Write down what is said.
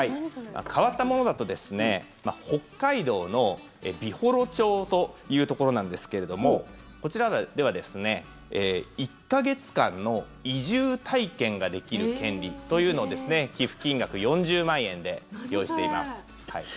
変わったものだとですね北海道の美幌町というところなんですけれどもこちらでは１か月間の移住体験ができる権利というのを寄付金額４０万円で用意しています。